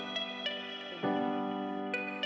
dan membuatnya menjadi tempat yang sangat menyenangkan